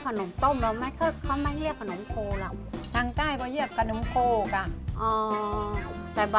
ของฉันต้องใช้น้ำตาลปี๊บเหมือนกันแต่ต้องใช้กลางมะพร้าวเคี่ยวให้เหนียว